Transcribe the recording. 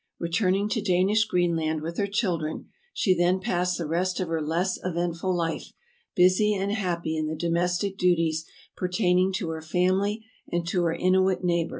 Re turning to Danish Greenland with her children, she there passed the rest of her less eventful life, busy and happy in the domestic duties pertaining to her family and to her Inuit neighbors.